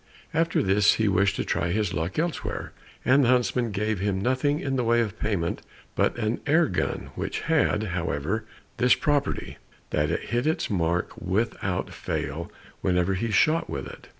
After this he wished to try his luck elsewhere, and the huntsman gave him nothing in the way of payment but an air gun, which had, however, this property, that it hit its mark without fail whenever he shot with it.